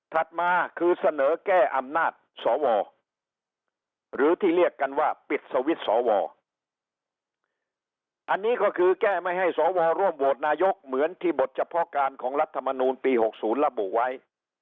มาคือเสนอแก้อำนาจสวหรือที่เรียกกันว่าปิดสวิตช์สวอันนี้ก็คือแก้ไม่ให้สวร่วมโหวตนายกเหมือนที่บทเฉพาะการของรัฐมนูลปี๖๐ระบุไว้